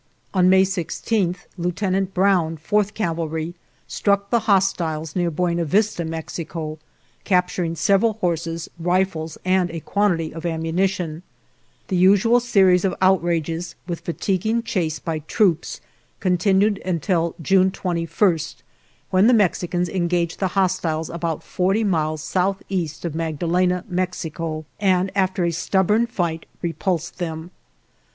11 On May 16 Lieutenant Brown, Fourth Cavalry, struck the hostiles near Buena Vista, Mexico, capturing several horses, rifles, and a quantity of ammunition. 164 SURRENDER OF GERONIMO "The usual series of outrages, with fa tiguing chase by troops, continued until June 21, when the Mexicans engaged the hostiles about 40 miles southeast of Magda lena, Mexico, and after a stubborn fight re pulsed them.